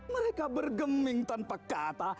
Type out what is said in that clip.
mereka bergeming tanpa kata